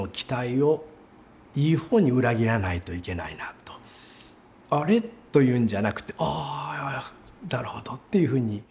だから「あれ？」というんじゃなくて「ああなるほど」っていうふうに。